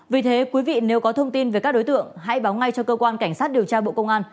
vì thế quý vị nếu có thông tin về các đối tượng hãy báo ngay cho cơ quan cảnh sát điều tra bộ công an